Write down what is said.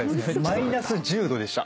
マイナス１０℃でした。